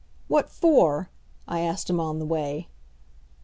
"What for?" I asked him on the way.